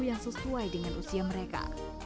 yang sesuai dengan usia mereka